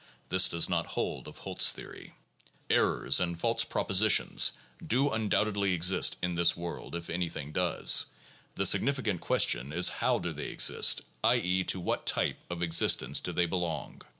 (This does not hold of Holt 's theory) . Errors and false propositions do undoubtedly exist in this world, if any thing does. The significant question is how do they exist, i. e., to what type of existence do they belong.